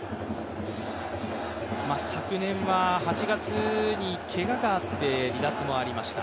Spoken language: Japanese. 昨年は８月にけががあって離脱もありました。